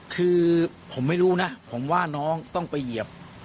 คือผมไม่รู้นะผมว่าน้องต้องไปเหยียบ